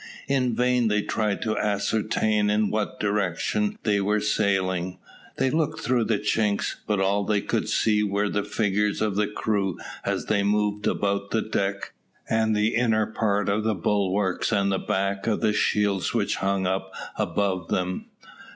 In vain they tried to ascertain in what direction they were sailing. They looked through the chinks, but all they could see were the figures of the crew as they moved about the deck, and the inner part of the bulwarks and the back of the shields which hung up above them.